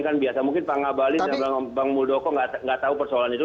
kan biasa mungkin bang ngabalin dan bang muldoko tidak tahu persoalan itu